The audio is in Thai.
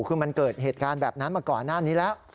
คือมันเกิดเหตุการณ์แบบนั้นมาก่อนหน้านี้แล้ว